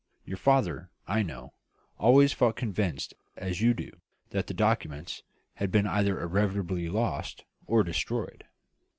Your father, I know, always felt convinced, as you do, that the documents had been either irretrievably lost, or destroyed."